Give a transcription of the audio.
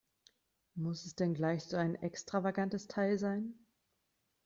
Muss es denn gleich so ein extravagantes Teil sein?